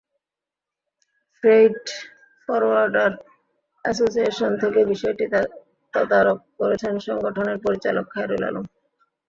Freight forwarder association থেকে বিষয়টি তদারক করছেন সংগঠনের পরিচালক খায়রুল আলম।